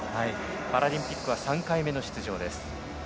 パラリンピックは３回目の出場。